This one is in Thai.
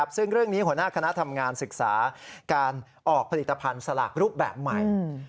ซึ่งเรื่องนี้หัวหน้าคณะทำงานศึกษาการออกผลิตภัณฑ์สลากรูปแบบใหม่